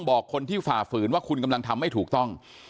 บอกคนที่ฝ่าฝืนว่าคุณกำลังทำไม่ถูกต้อง